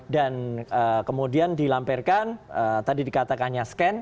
dan kemudian dilamperkan tadi dikatakan hanya scan